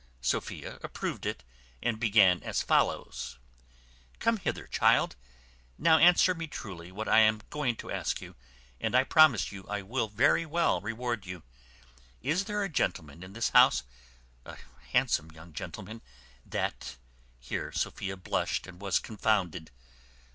Sophia approved it, and began as follows: "Come hither, child; now answer me truly what I am going to ask you, and I promise you I will very well reward you. Is there a young gentleman in this house, a handsome young gentleman, that ." Here Sophia blushed and was confounded.